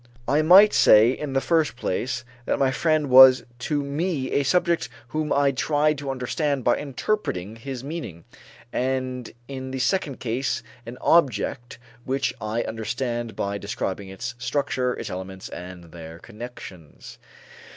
I might say in the first place that my friend was to me a subject whom I tried to understand by interpreting his meaning, and in the second case, an object which I understand by describing its structure, its elements, and their connections.